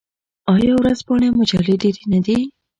آیا ورځپاڼې او مجلې ډیرې نه دي؟